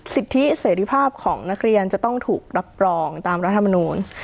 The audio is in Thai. สิทธิเสรีภาพของนักเรียนจะต้องถูกรับรองตามรัฐมนูล